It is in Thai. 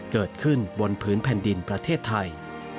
เกิดขึ้นบนพื้นแผ่นดินประเทศไทย